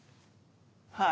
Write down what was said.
はい。